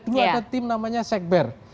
dulu ada tim namanya sekber